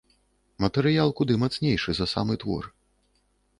Матэрыял куды мацнейшы за самы твор.